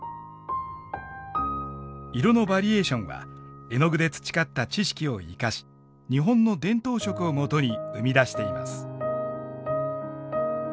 色のバリエーションは絵の具で培った知識を生かし日本の伝統色をもとに生み出しています。